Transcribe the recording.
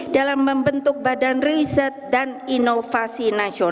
dalam membentuk badan riset dan inovasi